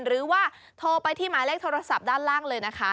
หรือว่าโทรไปที่หมายเลขโทรศัพท์ด้านล่างเลยนะคะ